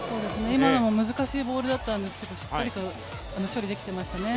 今のも難しいボールだったんですけどしっかりと処理できてましたね。